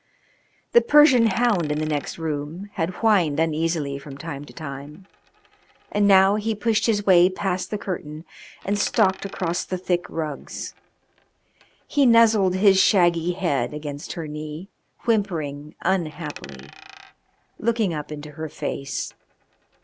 The Persian hound in the next room had whined uneasily from time to time, and now he pushed his way past the curtain and stalked across the thick rugs. He nuzzled his shaggy head against her knee, whimpering unhappily, looking up into her face.